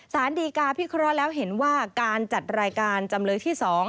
สารดีกาพิเคราะห์แล้วเห็นว่าการจัดรายการจำเลยที่๒